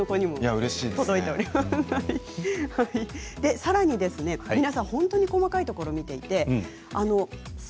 さらに皆さん本当に細かいところを見ています。